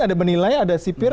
ada penilai ada sipir